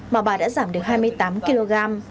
mà bà đã giảm được hai mươi tám kg